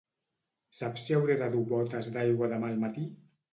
Saps si hauré de dur botes d'aigua demà al matí?